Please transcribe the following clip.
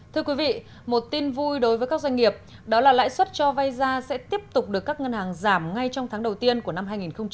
thưa quý vị một tin vui đối với các doanh nghiệp đó là lãi suất cho vay ra sẽ tiếp tục được các ngân hàng giảm ngay trong tháng đầu tiên của năm hai nghìn hai mươi